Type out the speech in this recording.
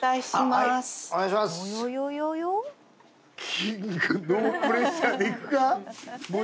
キングノープレッシャーでいくか？